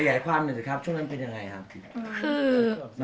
ขยายความหน่อยสิครับช่วงนั้นเป็นยังไงครับ